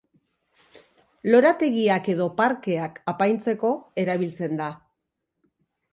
Lorategiak edo parkeak apaintzeko erabiltzen da.